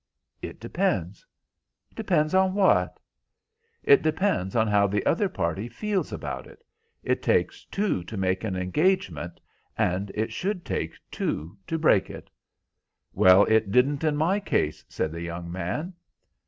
"It depends." "Depends on what?" "It depends on how the other party feels about it. It takes two to make an engagement, and it should take two to break it." "Well, it didn't in my case," said the young man.